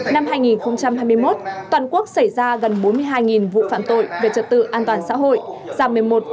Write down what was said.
năm hai nghìn hai mươi một toàn quốc xảy ra gần bốn mươi hai vụ phạm tội về trật tự an toàn xã hội